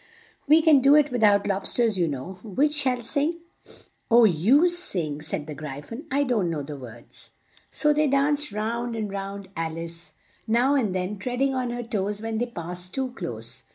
"We can do it without lob sters, you know. Which shall sing?" "Oh, you sing," said the Gry phon. "I don't know the words." So they danced round and round Al ice, now and then tread ing on her toes when they passed too close.